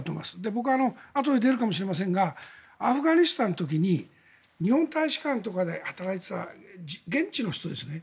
僕、あとで出るかもしれませんがアフガニスタンの時に日本大使館とかで働いていた現地の人ですね。